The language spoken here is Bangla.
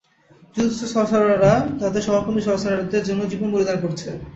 জুজুৎসু সর্সারাররা তাদের সহকর্মী সর্সারারের জন্য জীবন বলিদান করছে!